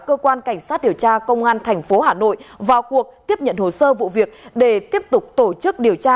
cơ quan cảnh sát điều tra công an tp hà nội vào cuộc tiếp nhận hồ sơ vụ việc để tiếp tục tổ chức điều tra